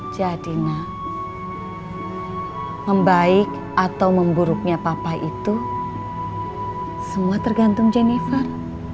jadi na membaik atau memburuknya papa itu semua tergantung jennifer